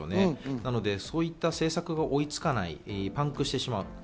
なので、そういった政策が追いつかない、パンクしてしまう。